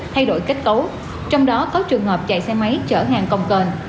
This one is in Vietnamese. thay đổi kết cấu trong đó có trường hợp chạy xe máy chở hàng còng cờn